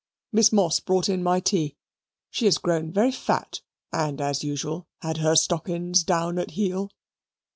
Miss Moss brought in my tea she is grown very FAT, and, as usual, had her STOCKENS DOWN AT HEAL.